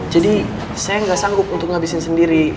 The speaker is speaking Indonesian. jadi saya gak sanggup untuk ngabisin sendiri